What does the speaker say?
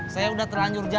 saya udah terlanjur jalan